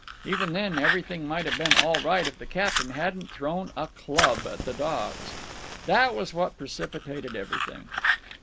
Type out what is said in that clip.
Even then everything might have been all right if the captain hadn't thrown a club at the dogs. That was what precipitated everything.